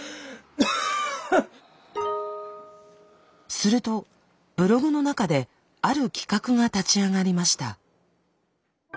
するとブログの中である企画が立ち上がりました。